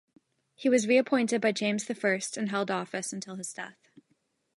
He was reappointed by James the First and held office until his death.